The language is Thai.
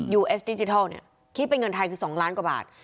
เอสดิจิทัลเนี่ยคิดเป็นเงินไทยคือ๒ล้านกว่าบาท